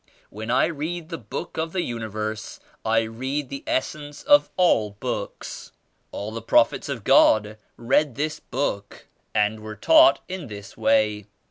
When I read the Book of the Universe I read the essence of all books. All the prophets of God read this Book and were taught in this way.